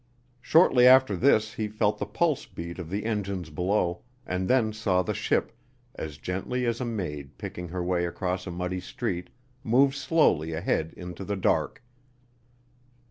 Shortly after this he felt the pulse beat of the engines below, and then saw the ship, as gently as a maid picking her way across a muddy street, move slowly ahead into the dark.